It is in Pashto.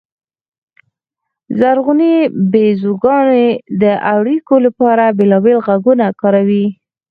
زرغونې بیزوګانې د اړیکو لپاره بېلابېل غږونه کاروي.